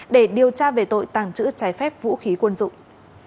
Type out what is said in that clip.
để điều tra về tội tàng trữ trái phép vũ khí quân dụng